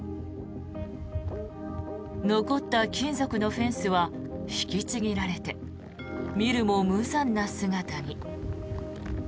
残った金属のフェンスは引きちぎられて見るも無残な姿に。